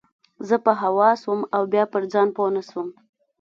زه په هوا سوم او بيا پر ځان پوه نه سوم.